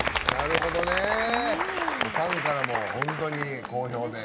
ファンからも本当に好評で。